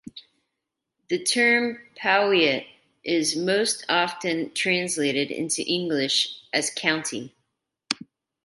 The term "powiat" is most often translated into English as "county".